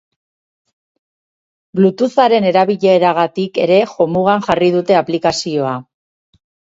Bluetootharen erabileragatik ere jomugan jarri dute aplikazioa.